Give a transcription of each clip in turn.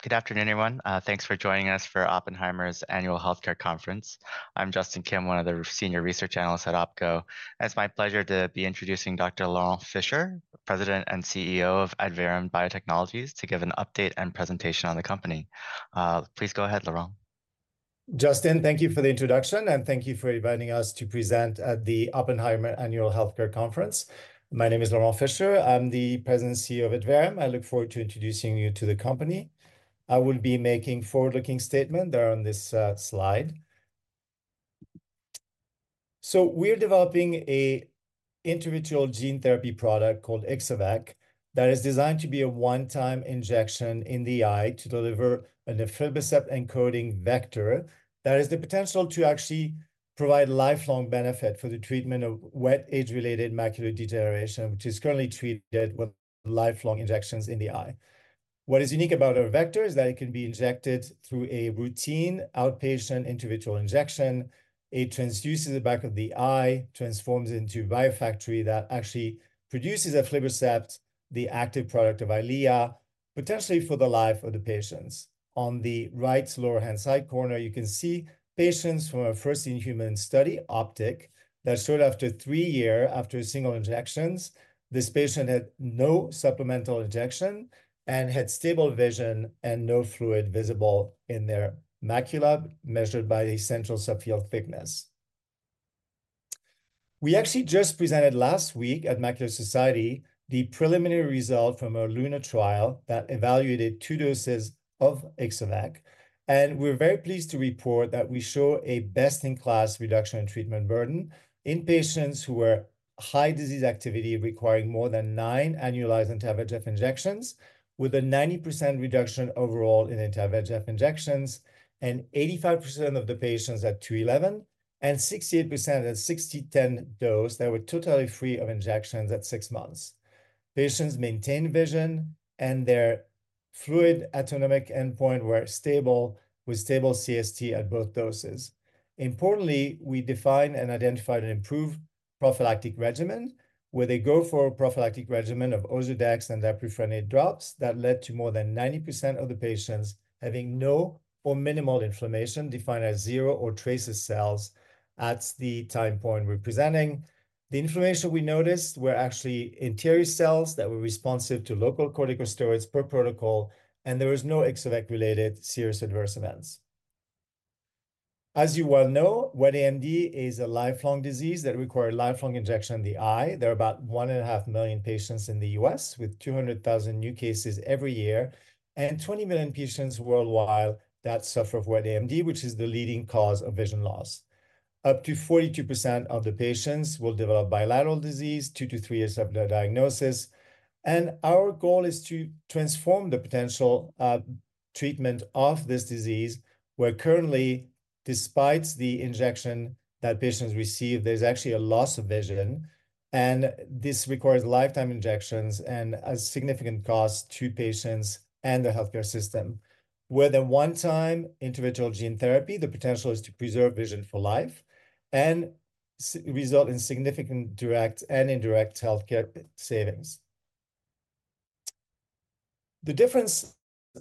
Good afternoon, everyone. Thanks for joining us for Oppenheimer's annual healthcare conference. I'm Justin Kim, one of the senior research analysts at Opco. It's my pleasure to be introducing Dr. Laurent Fischer, President and CEO of Adverum Biotechnologies, to give an update and presentation on the company. Please go ahead, Laurent. Justin, thank you for the introduction, and thank you for inviting us to present at the Oppenheimer Annual Healthcare Conference. My name is Laurent Fischer. I'm the President and CEO of Adverum. I look forward to introducing you to the company. I will be making a forward-looking statement there on this slide. We're developing an investigational gene therapy product called Ixo-vec that is designed to be a one-time injection in the eye to deliver an aflibercept encoding vector that has the potential to actually provide lifelong benefit for the treatment of wet age-related macular degeneration, which is currently treated with lifelong injections in the eye. What is unique about our vector is that it can be injected through a routine outpatient intravitreal injection. It transduces the back of the eye, transforms into a biofactory that actually produces aflibercept, the active product of Eylea, potentially for the life of the patients. On the right lower-hand side corner, you can see patients from our first in-human study, OPTIC, that showed after three years after single injections, this patient had no supplemental injection and had stable vision and no fluid visible in their macula measured by the central subfield thickness. We actually just presented last week at Macular Society the preliminary result from a LUNA trial that evaluated two doses of Ixo-vec, and we're very pleased to report that we show a best-in-class reduction in treatment burden in patients who were high disease activity requiring more than nine annualized anti-VEGF injections, with a 90% reduction overall in anti-VEGF injections and 85% of the patients at 2E11 and 68% at 6E10 dose that were totally free of injections at six months. Patients maintained vision and their fluid anatomic endpoint were stable with stable CST at both doses. Importantly, we defined and identified an improved prophylactic regimen where they go for a prophylactic regimen of Ozurdex and difluprednate drops that led to more than 90% of the patients having no or minimal inflammation defined as zero or trace cells at the time point we're presenting. The inflammation we noticed were actually interior cells that were responsive to local corticosteroids per protocol, and there was no Ixo-vec-related serious adverse events. As you well know, wet AMD is a lifelong disease that requires lifelong injection in the eye. There are about 1.5 million patients in the U.S. with 200,000 new cases every year and 20 million patients worldwide that suffer from wet AMD, which is the leading cause of vision loss. Up to 42% of the patients will develop bilateral disease two to three years after their diagnosis. Our goal is to transform the potential treatment of this disease where currently, despite the injection that patients receive, there's actually a loss of vision, and this requires lifetime injections and a significant cost to patients and the healthcare system. With a one-time individual gene therapy, the potential is to preserve vision for life and result in significant direct and indirect healthcare savings. The difference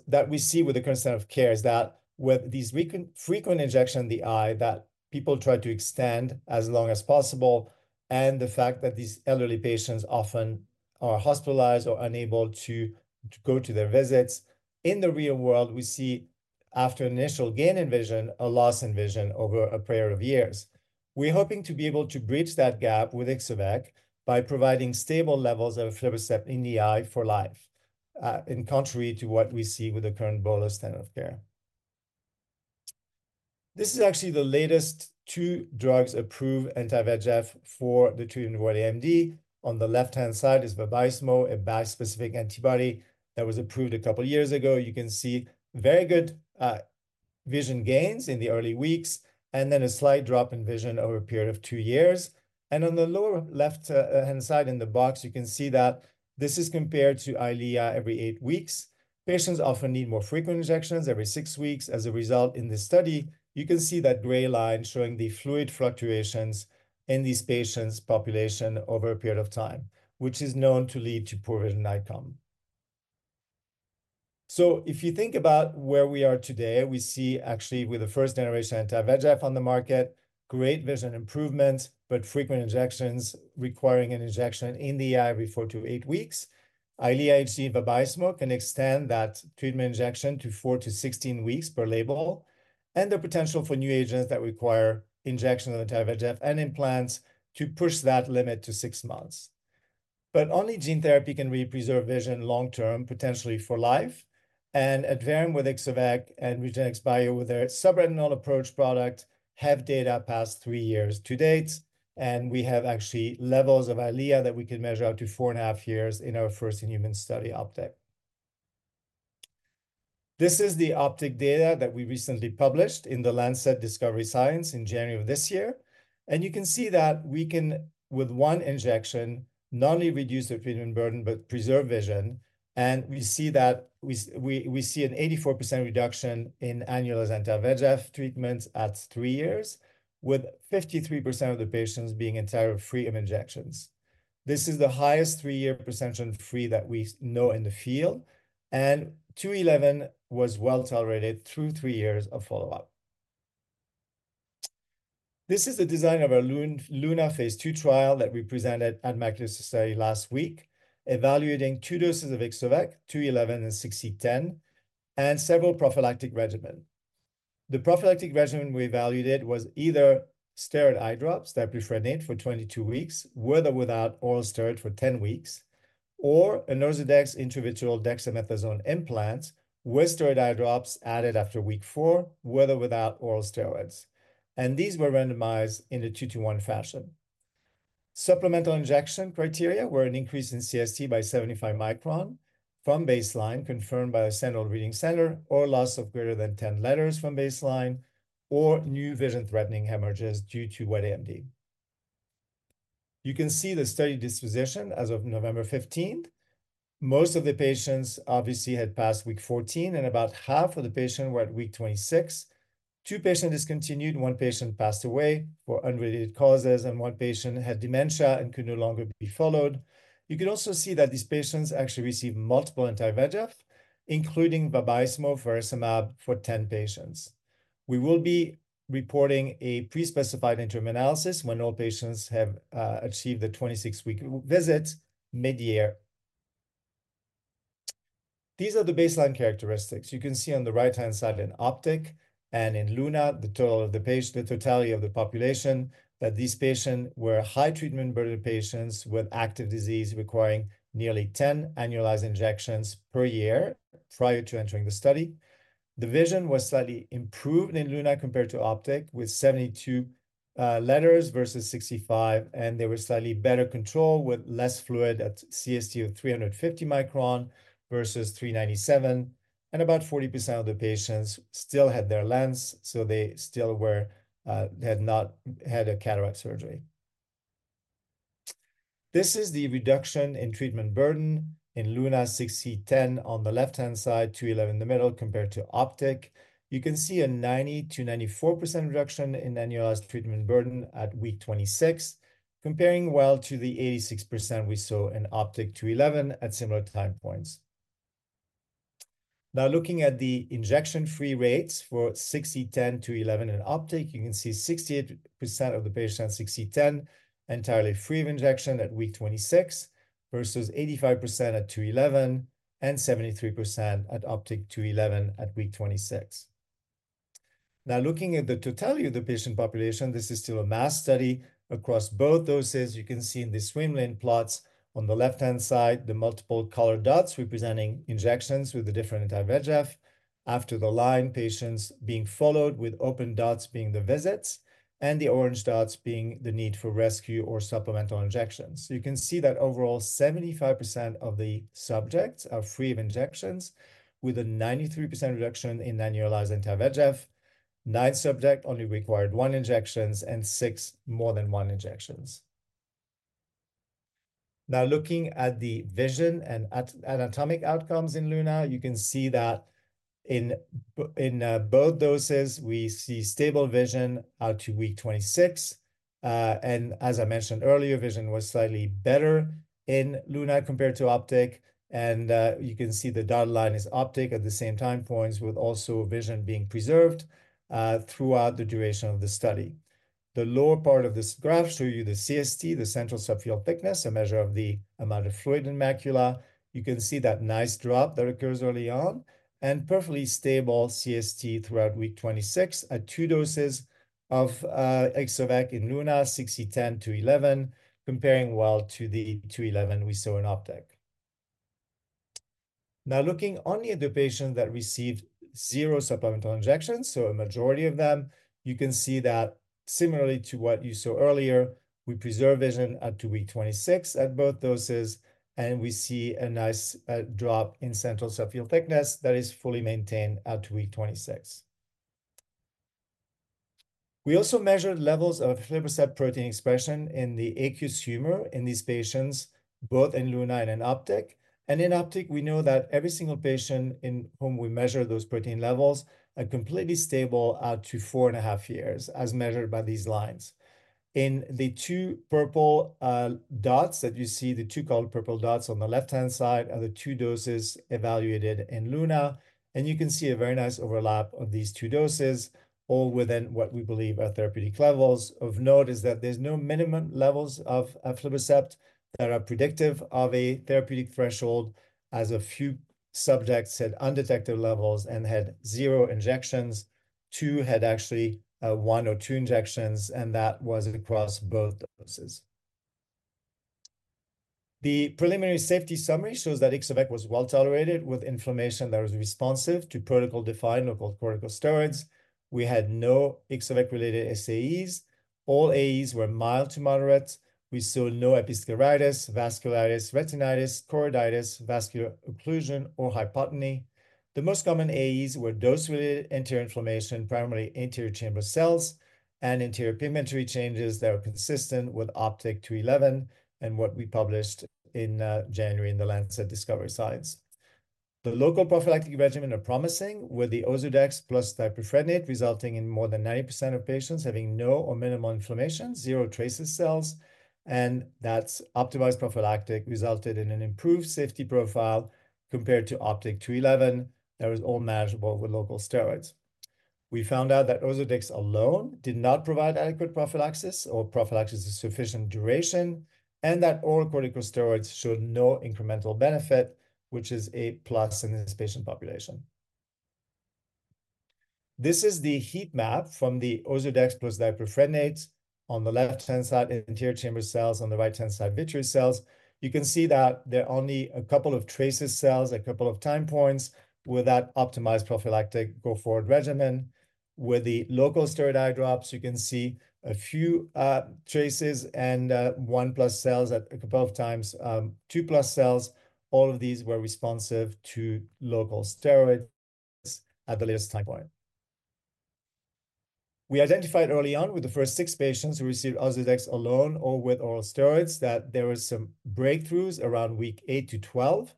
that we see with the current standard of care is that with these frequent injections in the eye that people try to extend as long as possible, and the fact that these elderly patients often are hospitalized or unable to go to their visits, in the real world we see after initial gain in vision a loss in vision over a period of years. We're hoping to be able to bridge that gap with Ixo-vec by providing stable levels of aflibercept in the eye for life, in contrary to what we see with the current bolus standard of care. This is actually the latest two drugs approved anti-VEGF for the treatment of wet AMD. On the left-hand side is Vabysmo, a bispecific antibody that was approved a couple of years ago. You can see very good vision gains in the early weeks and then a slight drop in vision over a period of two years. On the lower left-hand side in the box, you can see that this is compared to Eylea every eight weeks. Patients often need more frequent injections every six weeks. As a result, in this study, you can see that gray line showing the fluid fluctuations in these patients' population over a period of time, which is known to lead to poor vision outcome. So if you think about where we are today, we see actually with the first generation anti-VEGF on the market, great vision improvements, but frequent injections requiring an injection in the eye every four to eight weeks. Eylea HD Vabysmo can extend that treatment injection to 4-16 weeks per label and the potential for new agents that require injection of anti-VEGF and implants to push that limit to six months. But only gene therapy can really preserve vision long-term, potentially for life. Adverum with Ixo-vec and REGENXBIO with their subretinal approach product have data past three years to date, and we have actually levels of Eylea that we can measure up to 4.5 years in our first in-human study OPTIC. This is the OPTIC data that we recently published in The Lancet Discovery Science in January of this year. You can see that we can, with one injection, not only reduce the treatment burden but preserve vision. We see an 84% reduction in annualized anti-VEGF treatments at 3 years, with 53% of the patients being entirely free of injections. This is the highest three year percentage free that we know in the field, and 2E11 was well tolerated through three years of follow-up. This is the design of our LUNA phase II trial that we presented at Macular Society last week, evaluating two doses of Ixo-vec, 2E11 and 6E10, and several prophylactic regimens. The prophylactic regimen we evaluated was either steroid eye drops, difluprednate for 22 weeks, with or without oral steroids for 10 weeks, or an Ozurdex intravitreal dexamethasone implant with steroid eye drops added after week four, with or without oral steroids. These were randomized in a 2-to-1 fashion. Supplemental injection criteria were an increase in CST by 75 microns from baseline, confirmed by a central reading center, or loss of greater than 10 letters from baseline, or new vision-threatening hemorrhages due to wet AMD. You can see the study disposition as of November 15th. Most of the patients obviously had passed week 14, and about half of the patients were at week 26. Two patients discontinued, one patient passed away for unrelated causes, and one patient had dementia and could no longer be followed. You can also see that these patients actually received multiple anti-VEGF, including Vabysmo, bevacizumab, for 10 patients. We will be reporting a pre-specified interim analysis when all patients have achieved the 26-week visit mid-year. These are the baseline characteristics. You can see on the right-hand side in OPTIC and in LUNA the total of the patients, the totality of the population, that these patients were high treatment burden patients with active disease requiring nearly 10 annualized injections per year prior to entering the study. The vision was slightly improved in LUNA compared to OPTIC with 72 letters versus 65, and there was slightly better control with less fluid at CST of 350 microns versus 397, and about 40% of the patients still had their lens, so they still had not had a cataract surgery. This is the reduction in treatment burden in LUNA 6E10 on the left-hand side, 2E11 in the middle compared to OPTIC. You can see a 90%-94% reduction in annualized treatment burden at week 26, comparing well to the 86% we saw in OPTIC 2E11 at similar time points. Now, looking at the injection-free rates for 6E10, 2E11 in OPTIC, you can see 68% of the patients at 6E10 entirely free of injection at week 26 versus 85% at 2E11 and 73% at OPTIC 2E11 at week 26. Now, looking at the totality of the patient population, this is still a small study across both doses. You can see in the swim lane plots on the left-hand side the multiple colored dots representing injections with the different anti-VEGF, after the line patients being followed with open dots being the visits and the orange dots being the need for rescue or supplemental injections. So you can see that overall 75% of the subjects are free of injections, with a 93% reduction in annualized anti-VEGF, nine subjects only required one injection, and six more than one injection. Now, looking at the vision and anatomic outcomes in LUNA, you can see that in both doses we see stable vision out to week 26. And as I mentioned earlier, vision was slightly better in LUNA compared to OPTIC, and you can see the dotted line is OPTIC at the same time points with also vision being preserved throughout the duration of the study. The lower part of this graph shows you the CST, the central subfield thickness, a measure of the amount of fluid in the macula. You can see that nice drop that occurs early on and perfectly stable CST throughout week 26 at two doses of Ixo-vec in LUNA 6E10, 2E11, comparing well to the 2E11 we saw in OPTIC. Now, looking only at the patients that received zero supplemental injections, so a majority of them, you can see that similarly to what you saw earlier, we preserve vision out to week 26 at both doses, and we see a nice drop in central subfield thickness that is fully maintained out to week 26. We also measured levels of aflibercept protein expression in the aqueous humor in these patients, both in LUNA and in OPTIC. And in OPTIC, we know that every single patient in whom we measure those protein levels are completely stable out to 4.5 years, as measured by these lines. In the two purple dots that you see, the two colored purple dots on the left-hand side are the two doses evaluated in LUNA, and you can see a very nice overlap of these two doses, all within what we believe are therapeutic levels. Of note is that there's no minimum levels of aflibercept that are predictive of a therapeutic threshold, as a few subjects had undetected levels and had 0 injections. two had actually one or two injections, and that was across both doses. The preliminary safety summary shows that Ixo-vec was well tolerated with inflammation that was responsive to protocol-defined local corticosteroids. We had no Ixo-vec-related SAEs. All AEs were mild to moderate. We saw no episcleritis, vasculitis, retinitis, choroiditis, vascular occlusion, or hypotony. The most common AEs were dose-related anterior inflammation, primarily anterior chamber cells, and anterior pigmentary changes that were consistent with OPTIC 2E11 and what we published in January in the Lancet Discovery Science. The local prophylactic regimens are promising, with the Ozurdex plus difluprednate resulting in more than 90% of patients having no or minimal inflammation, zero trace cells, and that optimized prophylactic resulted in an improved safety profile compared to OPTIC 2E11 that was all manageable with local steroids. We found out that Ozurdex alone did not provide adequate prophylaxis or prophylaxis of sufficient duration, and that oral corticosteroids showed no incremental benefit, which is a plus in this patient population. This is the heat map from the Ozurdex plus difluprednate on the left-hand side, anterior chamber cells on the right-hand side, vitreous cells. You can see that there are only a couple of trace cells, a couple of time points with that optimized prophylactic go-forward regimen. With the local steroid eye drops, you can see a few trace and one plus cells at a couple of times, two plus cells. All of these were responsive to local steroids at the latest time point. We identified early on with the first 6 patients who received Ozurdex alone or with oral steroids that there were some breakthroughs around week 8-12.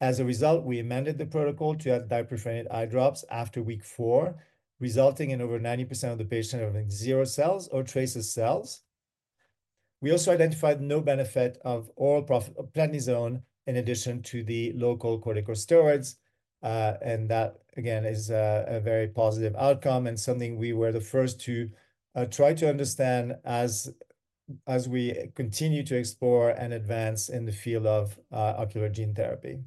As a result, we amended the protocol to add difluprednate eye drops after week 4, resulting in over 90% of the patients having zero cells or trace cells. We also identified no benefit of oral prednisone in addition to the local corticosteroids, and that, again, is a very positive outcome and something we were the first to try to understand as we continue to explore and advance in the field of ocular gene therapy.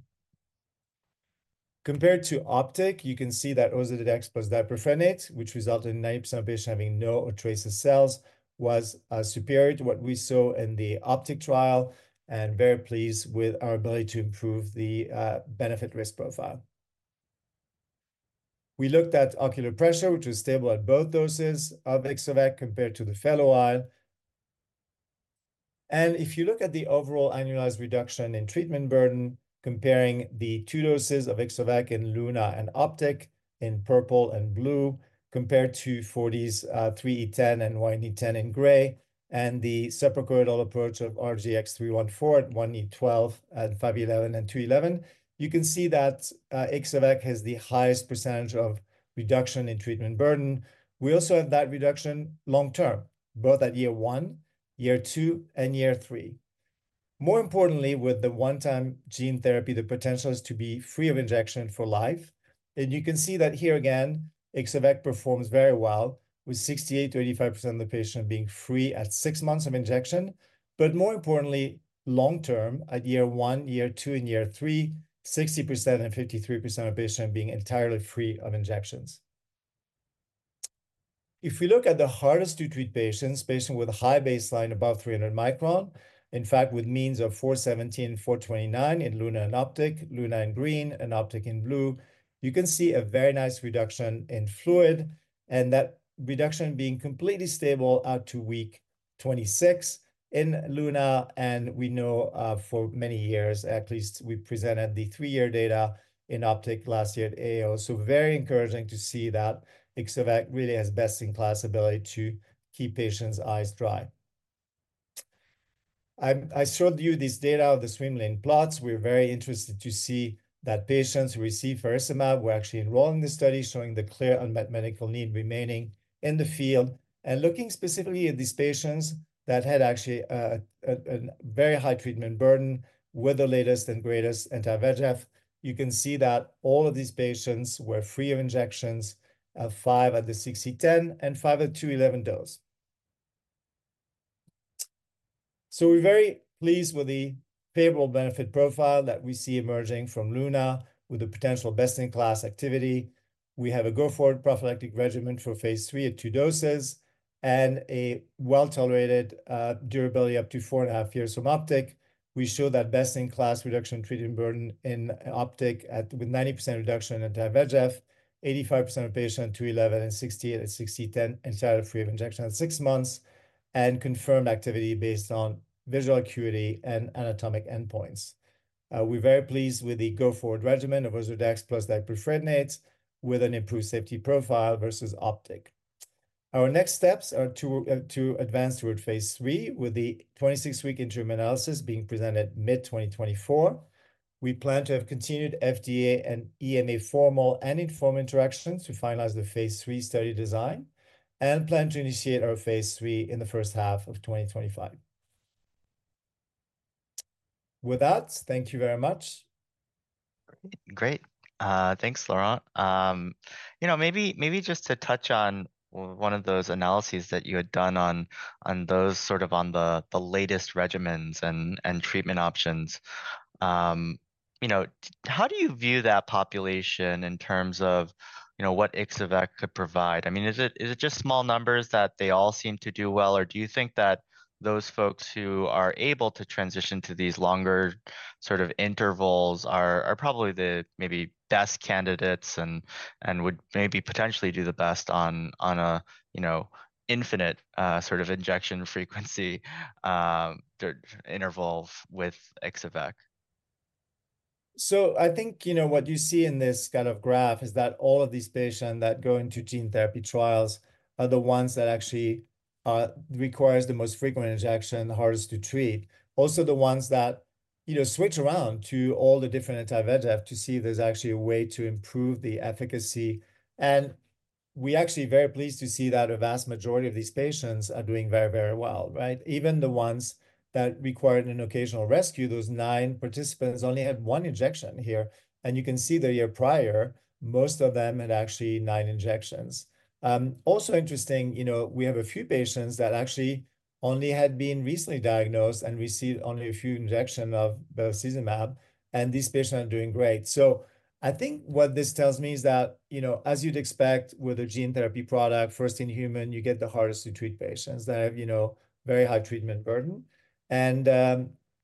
Compared to OPTIC, you can see that Ozurdex plus difluprednate, which resulted in 90% of patients having no or trace cells, was superior to what we saw in the OPTIC trial and very pleased with our ability to improve the benefit-risk profile. We looked at ocular pressure, which was stable at both doses of Ixo-vec compared to the fellow eye. If you look at the overall annualized reduction in treatment burden comparing the two doses of Ixo-vec in LUNA and OPTIC in purple and blue compared to 4E10, 3E10 and 1E10 in gray, and the suprachoroidal approach of RGX-314 at 1E12 and 5E11 and 2E11, you can see that Ixo-vec has the highest percentage of reduction in treatment burden. We also have that reduction long-term, both at year one, year two, and year three. More importantly, with the one-time gene therapy, the potential is to be free of injection for life. You can see that here again, Ixo-vec performs very well, with 68%-85% of the patients being free at six months of injection. But more importantly, long-term, at year one, year two, and year three, 60% and 53% of patients being entirely free of injections. If we look at the hardest-to-treat patients, patients with a high baseline above 300 microns, in fact, with means of 417, 429 in LUNA and OPTIC, LUNA in green and OPTIC in blue, you can see a very nice reduction in fluid, and that reduction being completely stable out to week 26 in LUNA, and we know for many years, at least we presented the three-year data in OPTIC last year at AAO, so very encouraging to see that Ixo-vec really has best-in-class ability to keep patients' eyes dry. I showed you this data of the swim lane plots. We're very interested to see that patients who receive bevacizumab were actually enrolled in the study, showing the clear unmet medical need remaining in the field. Looking specifically at these patients that had actually a very high treatment burden with the latest and greatest anti-VEGF, you can see that all of these patients were free of injections, five at the 6E10 and five at the 2E11 dose. So we're very pleased with the palpable benefit profile that we see emerging from LUNA with the potential best-in-class activity. We have a go-forward prophylactic regimen for phase III at two doses and a well-tolerated durability up to 4.5 years from OPTIC. We showed that best-in-class reduction in treatment burden in OPTIC with 90% reduction in anti-VEGF, 85% of patients 2E11 and 60% at 6E10 entirely free of injection at 6 months, and confirmed activity based on visual acuity and anatomic endpoints. We're very pleased with the go-forward regimen of Ozurdex plus difluprednate with an improved safety profile versus OPTIC. Our next steps are to advance toward phase III, with the 26-week interim analysis being presented mid-2024. We plan to have continued FDA and EMA formal and informal interactions to finalize the phase III study design and plan to initiate our phase III in the first half of 2025. With that, thank you very much. Great. Thanks, Laurent. You know, maybe just to touch on one of those analyses that you had done on those sort of on the latest regimens and treatment options. You know, how do you view that population in terms of, you know, what Ixo-vec could provide? I mean, is it just small numbers that they all seem to do well, or do you think that those folks who are able to transition to these longer sort of intervals are probably the maybe best candidates and would maybe potentially do the best on a, you know, infinite sort of injection frequency interval with Ixo-vec? So I think, you know, what you see in this kind of graph is that all of these patients that go into gene therapy trials are the ones that actually require the most frequent injection, hardest to treat, also the ones that, you know, switch around to all the different anti-VEGF to see there's actually a way to improve the efficacy. And we're actually very pleased to see that a vast majority of these patients are doing very, very well, right? Even the ones that required an occasional rescue, those nine participants only had one injection here. And you can see the year prior, most of them had actually nine injections. Also interesting, you know, we have a few patients that actually only had been recently diagnosed and received only a few injections of bevacizumab, and these patients are doing great. So I think what this tells me is that, you know, as you'd expect with a gene therapy product, first in human, you get the hardest-to-treat patients that have, you know, very high treatment burden. And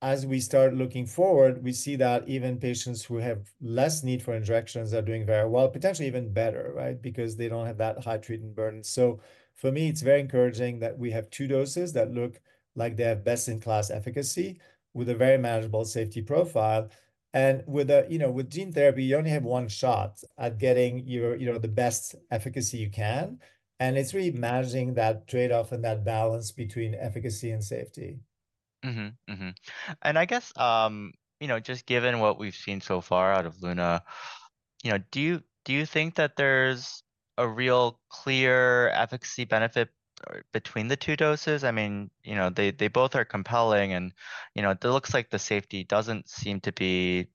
as we start looking forward, we see that even patients who have less need for injections are doing very well, potentially even better, right? Because they don't have that high treatment burden. So for me, it's very encouraging that we have two doses that look like they have best-in-class efficacy with a very manageable safety profile. And with, you know, with gene therapy, you only have one shot at getting your, you know, the best efficacy you can. And it's really managing that trade-off and that balance between efficacy and safety. I guess, you know, just given what we've seen so far out of LUNA, you know, do you think that there's a real clear efficacy benefit between the two doses? I mean, you know, they both are compelling and, you know, it looks like the safety doesn't seem to be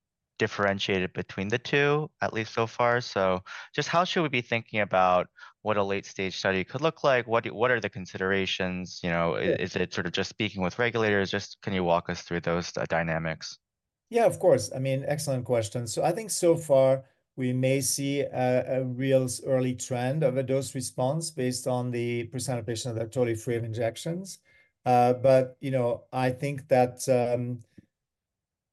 differentiated between the two, at least so far. So just how should we be thinking about what a late-stage study could look like? What are the considerations? You know, is it sort of just speaking with regulators? Just can you walk us through those dynamics? Yeah, of course. I mean, excellent question. So I think so far we may see a real early trend of a dose response based on the percent of patients that are totally free of injections. But, you know, I think that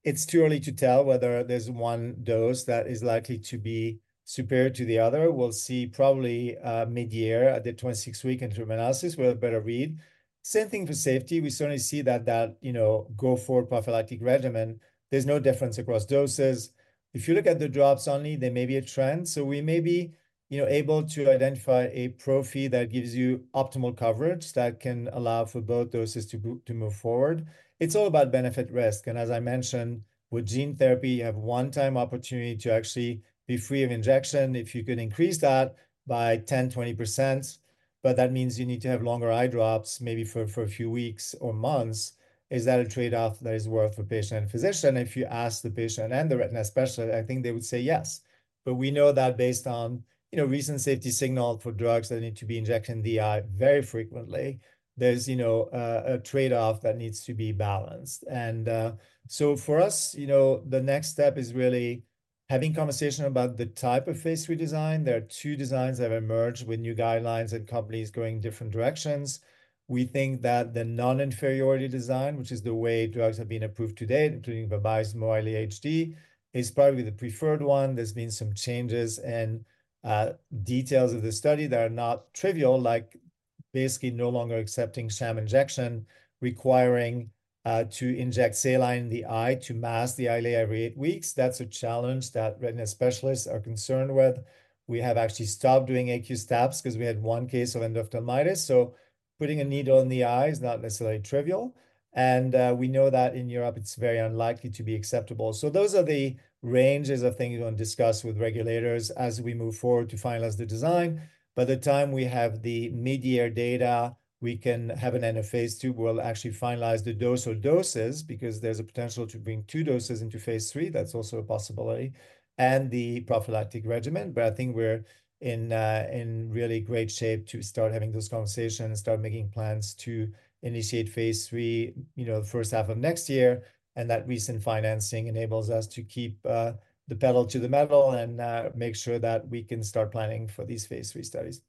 it's too early to tell whether there's one dose that is likely to be superior to the other. We'll see probably mid-year at the 26-week interim analysis with a better read. Same thing for safety. We certainly see that, you know, go-forward prophylactic regimen. There's no difference across doses. If you look at the drops only, there may be a trend. So we may be, you know, able to identify a profile that gives you optimal coverage that can allow for both doses to move forward. It's all about benefit risk. As I mentioned, with gene therapy, you have one-time opportunity to actually be free of injection if you can increase that by 10%-20%. But that means you need to have longer eye drops, maybe for a few weeks or months. Is that a trade-off that is worth for patient and physician? If you ask the patient and the retina specialist, I think they would say yes. But we know that based on, you know, recent safety signals for drugs that need to be injected in the eye very frequently, there's, you know, a trade-off that needs to be balanced. And so for us, you know, the next step is really having conversation about the type of phase III design. There are two designs that have emerged with new guidelines and companies going different directions. We think that the non-inferiority design, which is the way drugs have been approved today, including Vabysmo, Eylea HD, is probably the preferred one. There's been some changes and details of the study that are not trivial, like basically no longer accepting sham injection, requiring to inject saline in the eye to mask the IVT every eight weeks. That's a challenge that retina specialists are concerned with. We have actually stopped doing aqueous taps because we had one case of endophthalmitis. So putting a needle in the eye is not necessarily trivial. And we know that in Europe, it's very unlikely to be acceptable. So those are the ranges of things we want to discuss with regulators as we move forward to finalize the design. By the time we have the mid-year data, we can have an end-of-phase II. We'll actually finalize the dose or doses because there's a potential to bring two doses into phase III. That's also a possibility. And the prophylactic regimen. But I think we're in really great shape to start having those conversations and start making plans to initiate phase III, you know, the first half of next year. And that recent financing enables us to keep the pedal to the metal and make sure that we can start planning for these phase III studies.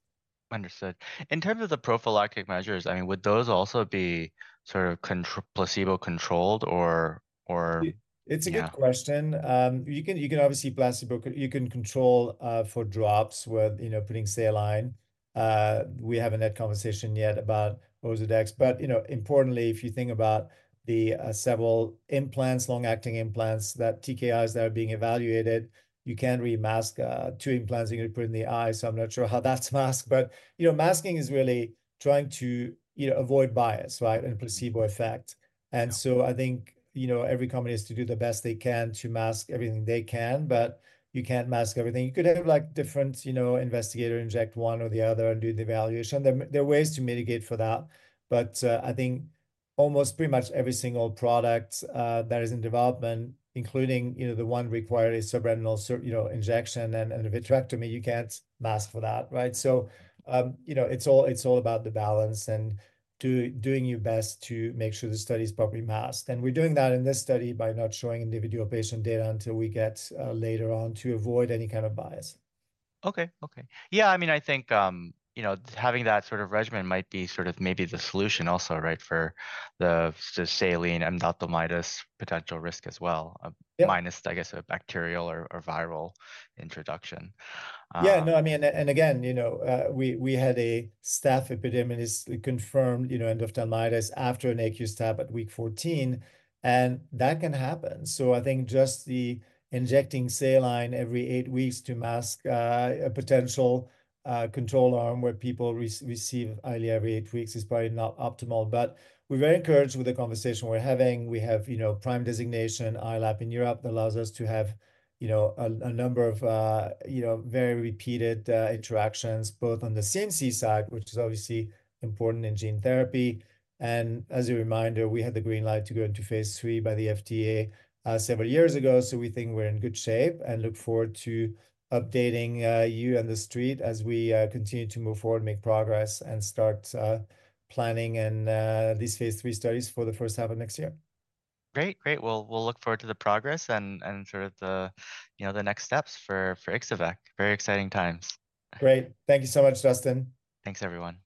Understood. In terms of the prophylactic measures, I mean, would those also be sort of placebo-controlled or... It's a good question. You can obviously placebo... you can control for drops with, you know, putting saline. We haven't had conversation yet about Ozurdex. But, you know, importantly, if you think about the several implants, long-acting implants that TKIs that are being evaluated, you can't really mask two implants you're going to put in the eye. So I'm not sure how that's masked. But, you know, masking is really trying to, you know, avoid bias, right, and placebo effect. And so I think, you know, every company has to do the best they can to mask everything they can, but you can't mask everything. You could have, like, different, you know, investigators inject one or the other and do the evaluation. There are ways to mitigate for that. But I think almost pretty much every single product that is in development, including, you know, the one required is subretinal, you know, injection and a vitrectomy, you can't mask for that, right? So, you know, it's all about the balance and doing your best to make sure the study is properly masked. And we're doing that in this study by not showing individual patient data until we get later on to avoid any kind of bias. Okay. Yeah, I mean, I think, you know, having that sort of regimen might be sort of maybe the solution also, right, for the saline endophthalmitis potential risk as well, minus, I guess, a bacterial or viral introduction. Yeah, no, I mean, and again, you know, we had a Staph epidermidis confirmed, you know, endophthalmitis after an injection at week 14. And that can happen. So I think just the injecting saline every eight weeks to mask a potential control arm where people receive Eylea every eight weeks is probably not optimal. But we're very encouraged with the conversation we're having. We have, you know, PRIME designation in Europe that allows us to have, you know, a number of, you know, very repeated interactions both on the CMC side, which is obviously important in gene therapy. And as a reminder, we had the green light to go into phase III by the FDA several years ago. We think we're in good shape and look forward to updating you and the street as we continue to move forward, make progress, and start planning these phase III studies for the first half of next year. Great. We'll look forward to the progress and sort of the, you know, the next steps for Ixo-vec. Very exciting times. Great. Thank you so much, Justin. Thanks, everyone.